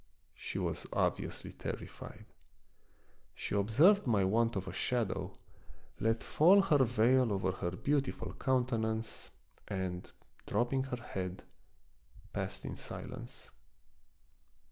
She was obviously terrified; she observed my want of a shadow, let fall her veil over her beautiful coun tenance, and, dropping her head, passed in silence.